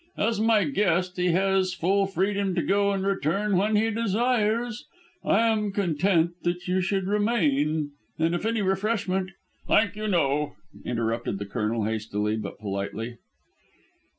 As my guest he has full freedom to go and return when he desires. I am content that you should remain, and if any refreshment " "Thank you, no," interrupted the Colonel hastily but politely.